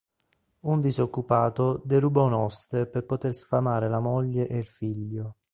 Un disoccupato deruba un oste per poter sfamare la moglie e il figlio.